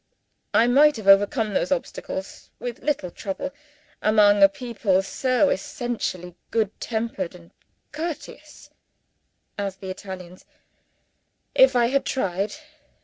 I might have overcome those obstacles, with little trouble, among a people so essentially good tempered and courteous as the Italians, if I had tried.